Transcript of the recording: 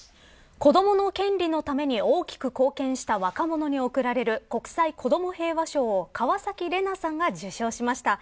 子どもの権利ために大きく貢献した若者に贈られる国際子ども平和賞を川崎レナさんが受賞しました。